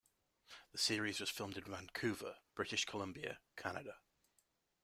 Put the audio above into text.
The series was filmed in Vancouver, British Columbia, Canada.